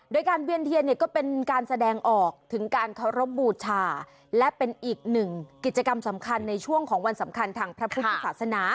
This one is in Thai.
โดยการเวียนเทียนเนี่ยก็เป็นการแสดงออกถึงการเคารพบูชาและเป็นอีกหนึ่งกิจกรรมสำคัญในช่วงของวันสำคัญทางพระพุทธศาสนา